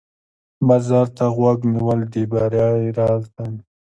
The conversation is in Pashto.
بازار ته غوږ نیول د بری راز دی.